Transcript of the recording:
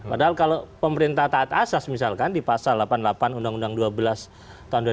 padahal kalau pemerintah taat asas misalkan di pasal delapan puluh delapan undang undang dua belas tahun dua ribu dua